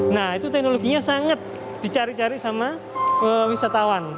nah itu teknologinya sangat dicari cari sama wisatawan